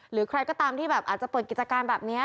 หรือใครก็ตามอาจเปิดกิจการแบบนี้